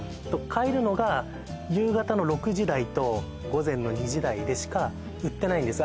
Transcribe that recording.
買えるのが夕方の６時台と午前の２時台でしか売ってないんです